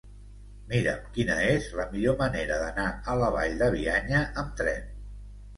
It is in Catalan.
Mira'm quina és la millor manera d'anar a la Vall de Bianya amb tren.